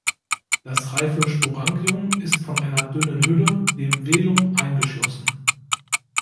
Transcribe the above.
Das reife Sporangium ist von einer dünnen Hülle, dem Velum eingeschlossen.